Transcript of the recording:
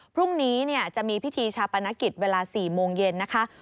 พรุ่งนี้จะมีพิธีชาปนกิจเวลา๔โมงเย็นนะคะ